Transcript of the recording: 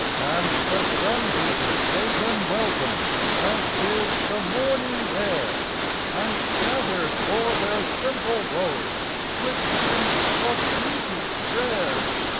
And the sunbeams gave them welcome. As did the morning air And scattered o'er their simple robes Rich tints of beauty rare.